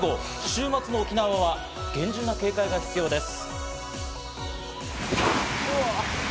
週末、沖縄は厳重な警戒が必要です。